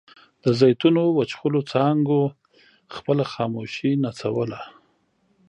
د زیتونو وچخولو څانګو خپله خاموشي نڅوله.